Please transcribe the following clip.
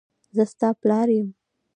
زه ستا پلار یم.